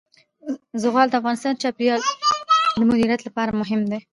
زغال د افغانستان د چاپیریال د مدیریت لپاره مهم دي.